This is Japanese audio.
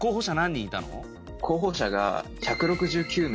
候補者が１６９名。